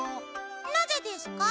なぜですか？